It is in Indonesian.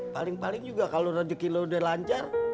paling paling juga kalo rezeki lo udah lancar